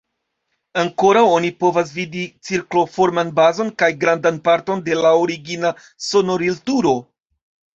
Ankoraŭ oni povas vidi cirklo-forman bazon kaj grandan parton de la origina sonorilturo.